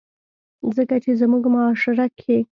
ځکه چې زمونږ معاشره کښې